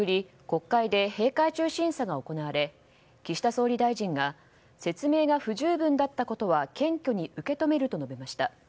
国会で閉会中審査が行われ岸田総理大臣が説明が不十分だったことは謙虚に受け止めると述べました。